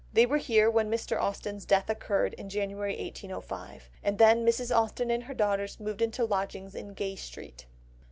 They were here when Mr. Austen's death occurred in January 1805; and then Mrs. Austen and her daughters moved into lodgings in Gay Street.